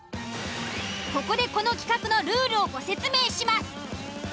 ここでこの企画のルールをご説明します。